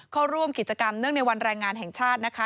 เข้าร่วมกิจกรรมเนื่องในวันแรงงานแห่งชาตินะคะ